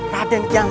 raden kian santang